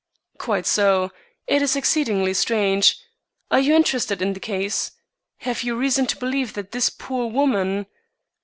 "Quite so. It is exceedingly strange. Are you interested in the case? Have you reason to believe that this poor woman